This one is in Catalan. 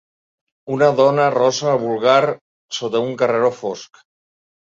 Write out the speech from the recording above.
Una dona rossa vulgar sola en un carreró fosc.